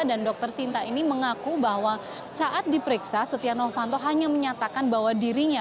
dokter sinta ini mengaku bahwa saat diperiksa setia novanto hanya menyatakan bahwa dirinya